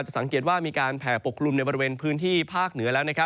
สังเกตว่ามีการแผ่ปกกลุ่มในบริเวณพื้นที่ภาคเหนือแล้ว